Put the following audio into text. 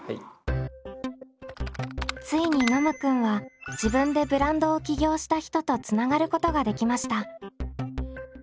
ついにノムくんは自分でブランドを起業した人とつながることができました！